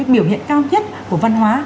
biểu hiện cao thiết của văn hóa